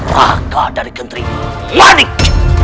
raga dari gentri lanik